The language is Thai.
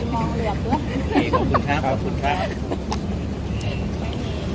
มองเหลืองปุ๊บนี่ขอบคุณครับขอบคุณครับ